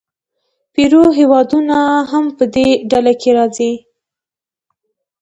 پیرو هېوادونه هم په دې ډله کې راځي.